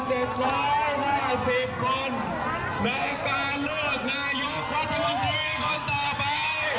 ในการเลือกนายุควัฒนวันดีคนต่อไป